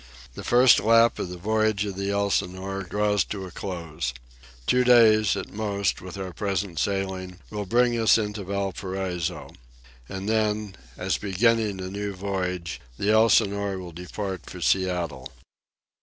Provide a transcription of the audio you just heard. The first lap of the voyage of the Elsinore draws to a close. Two days, at most, with our present sailing, will bring us into Valparaiso. And then, as beginning a new voyage, the Elsinore will depart for Seattle.